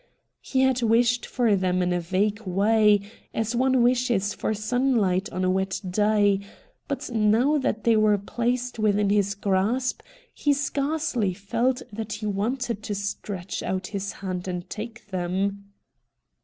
He had wished for them in a vague way, as one wishes for sunhght on a wet day, but now that they were placed within his grasp he scarcely felt that he wanted to stretch out his hand and take them.